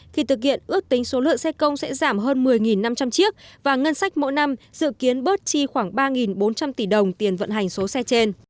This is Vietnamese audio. thì thực hiện ước tính số lượng xe công sẽ giảm hơn một mươi năm trăm linh chiếc và ngân sách mỗi năm dự kiến bớt chi khoảng ba bốn trăm linh tỷ đồng tiền vận hành số xe trên